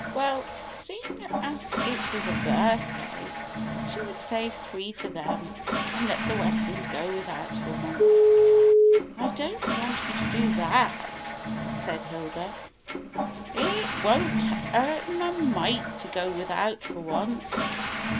Well, seeing as it was a birthday, she would save three for them and let the Westons go without for once. '*I don't want you to do that," said Hilda. "It won't hurt 'em a mite to go without for once.